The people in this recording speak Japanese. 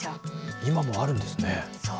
今もあるんですね。